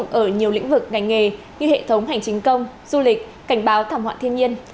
ở nhiều lĩnh vực ngành nghề như hệ thống hành chính công du lịch cảnh báo thảm họa thiên nhiên